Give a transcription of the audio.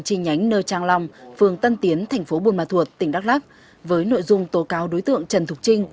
chi nhánh nơ trang lòng phường tân tiến thành phố buôn ma thuột tỉnh đắk lắc với nội dung tố cáo đối tượng trần thục trinh